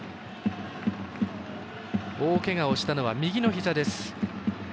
大けがをしたのは右のひざです。